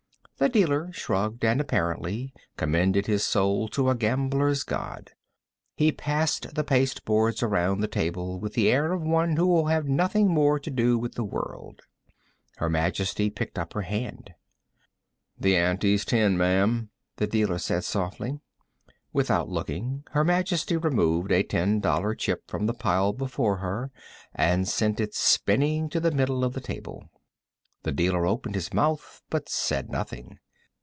The dealer shrugged and, apparently, commended his soul to a gambler's God. He passed the pasteboards around the table with the air of one who will have nothing more to do with the world. Her Majesty picked up her hand. [Illustration: "May I raise ... five thousand?"] "The ante's ten, ma'am," the dealer said softly. Without looking, Her Majesty removed a ten dollar chip from the pile before her and sent it spinning to the middle of the table. The dealer opened his mouth, but said nothing.